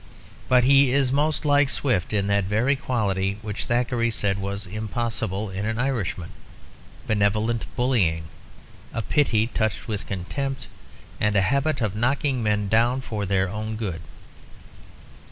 But he is most like Swift in that very quality which Thackeray said was impossible in an Irishman, benevolent bullying, a pity touched with contempt, and a habit of knocking men down for their own good.